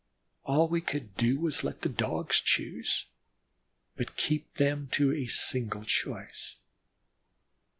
All we could do was to let the Dogs choose, but keep them to a single choice.